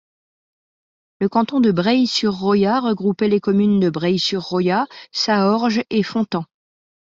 Le canton de Breil-sur-Roya regroupait les communes de Breil-sur-Roya, Saorge et Fontan.